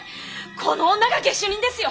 この女が下手人ですよ。